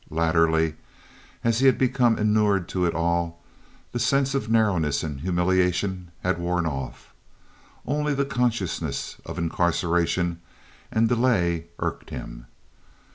Latterly, as he had become inured to it all, the sense of narrowness and humiliation had worn off. Only the consciousness of incarceration and delay irked him.